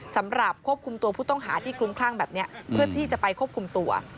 สำหรับควบคุมตัวผู้ต้องหาที่คลุมคลั่งแบบนี้เพื่อที่จะไปควบคุมตัว